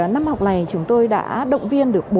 năm học này chúng tôi đã động viên được